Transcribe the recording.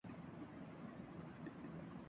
انگریزی سے فارسی لغت ایک اچھا اختیار ہے۔